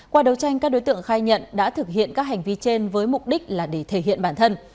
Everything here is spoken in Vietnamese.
qua đấu tranh các đối tượng khai nhận đã thực hiện các hành vi trên với mục đích là để thể hiện bản thân